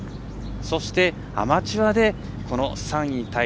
そして、アマチュアで３位タイ。